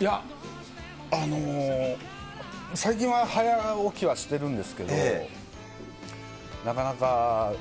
いや、あのー、最近は早起きはしているんですけれども、なかなか、ね。